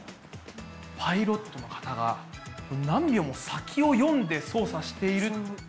パイロットの方が何秒も先を読んで操作しているっていうのを見て。